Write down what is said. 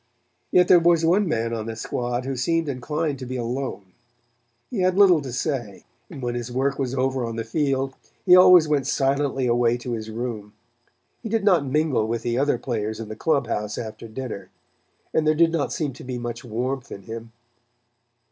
Yet there was one man on the squad who seemed inclined to be alone. He had little to say, and when his work was over on the field he always went silently away to his room. He did not mingle with the other players in the club house after dinner, and there did not seem to be much warmth in him.